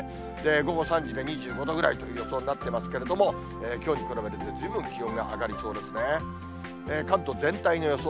午後３時で２５度ぐらいという予想になってますけれども、きょうに比べてずいぶん気温が上がりそうですね。